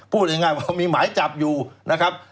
พูดง่ายว่ามีหมายจับอยู่นะครับ